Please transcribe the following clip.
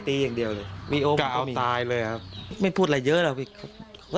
ตีอย่างเดียวไม่ไม่ปุ่นอะไรเยอะเลย